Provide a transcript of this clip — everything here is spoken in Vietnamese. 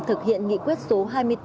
thực hiện nghị quyết số hai mươi bốn